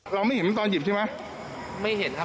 เราไม่เห็นตอนหยิบใช่ไหมไม่เห็นครับ